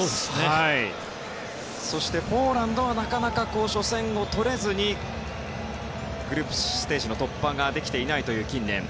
そしてポーランドはなかなか初戦取れずグループステージの突破ができていないという近年。